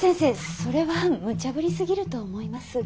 それはむちゃぶりすぎると思います。